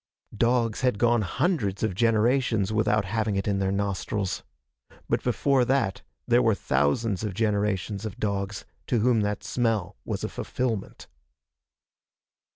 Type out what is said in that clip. Dogs had gone hundreds of generations without having it in their nostrils. But before that there were thousands of generations of dogs to whom that smell was a fulfillment.